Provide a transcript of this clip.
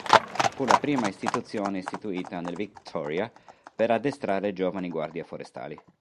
Fu la prima istituzione istituita nel Victoria per addestrare giovani guardie forestali.